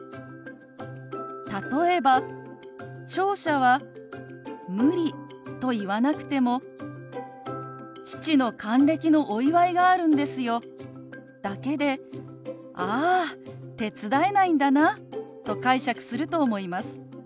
例えば聴者は「無理」と言わなくても「父の還暦のお祝いがあるんですよ」だけで「ああ手伝えないんだな」と解釈すると思います。